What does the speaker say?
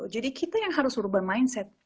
jadi kita yang harus berubah mindset